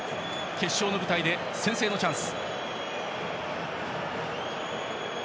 決勝の舞台で先制のチャンス。